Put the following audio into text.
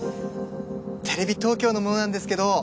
テレビ東京の者なんですけど。